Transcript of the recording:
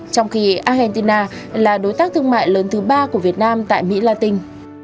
trong khi argentina là đối tác thương mại lớn thứ ba của việt nam tại mỹ latin